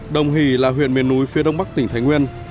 đồng hỷ là huyện miền núi phía đông bắc tỉnh thái nguyên